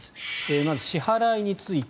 まず、支払いについて。